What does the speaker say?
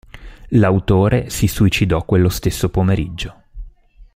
L'autore si suicidò quello stesso pomeriggio.